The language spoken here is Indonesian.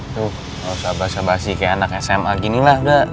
tuh kalau sabar sabar sih kayak anak sma ginilah udah